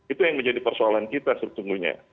itu yang menjadi persoalan kita sesungguhnya